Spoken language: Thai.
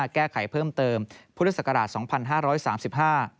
แก้ไขเพิ่มเติมพุทธศักราช๒๕๓๕